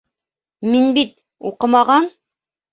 Мин бит... уҡымаған.